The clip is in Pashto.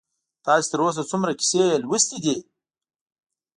تاسې تر اوسه څومره کیسې لوستي یاست؟